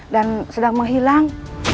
dan sedang menghilang